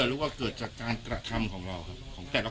รู้ว่าเกิดจากการกระคั้นของเราของแต่ละ